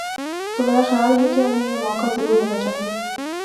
تو میرا خیال ہے کہ انہیں یہ موقع ضرور ملنا چاہیے۔